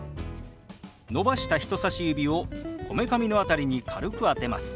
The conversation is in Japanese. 伸ばした人さし指をこめかみの辺りに軽く当てます。